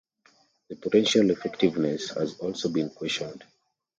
The potential effectiveness has also been questioned.